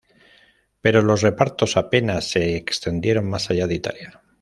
Pero los repartos apenas se extendieron más allá de Italia.